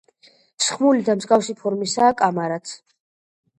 სხმული და მსგავსი ფორმისაა კამარაც.